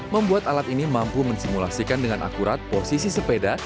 membuat alat ini mampu mensimulasikan dengan akurat posisi sepeda